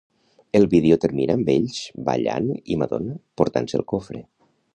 El vídeo termina amb ells ballant i Madonna portant-se el cofre.